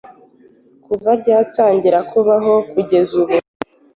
kuva ryatangira kubaho kugeza ubu